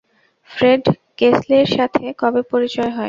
Fred কেসলির সাথে কবে পরিচয় হয়?